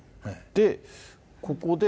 ここで。